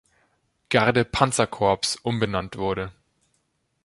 Garde-Panzerkorps" umbenannt wurde.